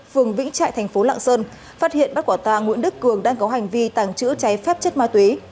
phường vĩnh trại thành phố lạng sơn phát hiện bắt quả tàng nguyễn đức cường đang có hành vi tàng trữ cháy phép chất ma túy